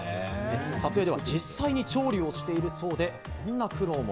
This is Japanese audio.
撮影では実際に調理をしているそうで、苦労も。